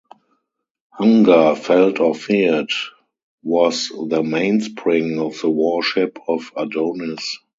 Hunger, felt or feared, was the mainspring of the worship of Adonis.